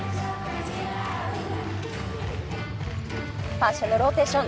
パンシェのローテーション。